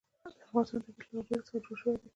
د افغانستان طبیعت له وګړي څخه جوړ شوی دی.